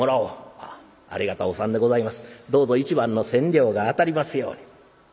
どうぞ一番の千両が当たりますように」。